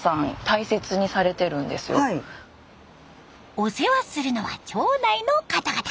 お世話するのは町内の方々。